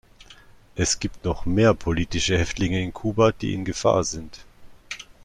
Es gibt noch mehr politische Häftlinge in Kuba, die in Gefahr sind.